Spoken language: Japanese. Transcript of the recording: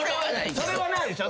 それはないでしょ？